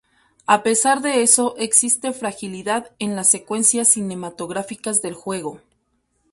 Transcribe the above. A pesar de eso existe fragilidad en las secuencias cinematográficas del juego.